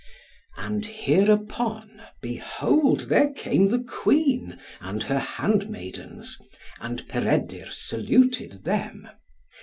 And hereupon, behold there came the Queen and her handmaidens, and Peredur saluted them.